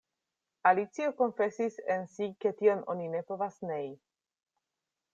Alicio konfesis en si ke tion oni ne povas nei.